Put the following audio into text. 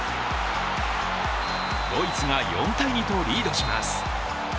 ドイツが４−２とリードします。